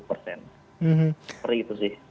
seperti itu sih